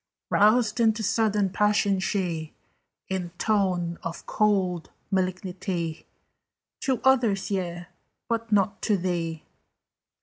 Roused into sudden passion, she In tone of cold malignity: "To others, yea: but not to thee."